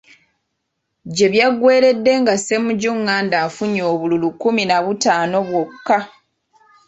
Gye byaggweeredde nga Ssemujju Nganda afunye obululu kkumi na butaano bwokka.